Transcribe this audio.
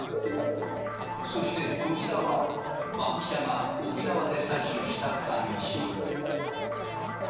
そしてこちらはバンキシャが沖縄で採取した軽石。